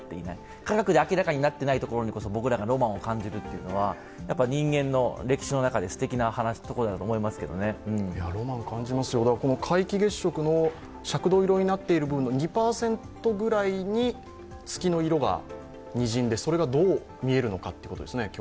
科学で明らかになっていないところに僕らがロマンを感じるというのは、歴史の中で素敵なところだと思い皆既月食の赤銅色になっている部分の２％ぐらいに月の色がにじんで、それが今日どう見えるのかということですね。